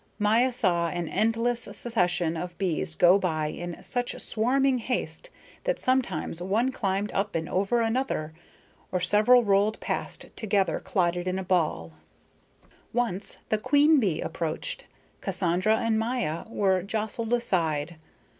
Maya saw an endless succession of bees go by in such swarming haste that sometimes one climbed up and over another, or several rolled past together clotted in a ball. Once the queen bee approached. Cassandra and Maya were jostled aside.